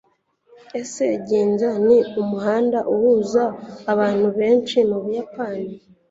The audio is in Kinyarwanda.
ese ginza ni umuhanda uhuza abantu benshi mu buyapani